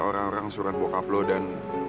orang orang surat bokap lu dan